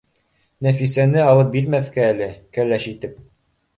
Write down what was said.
Нәфисәне алып бирмәҫкә әле? Кәләш итеп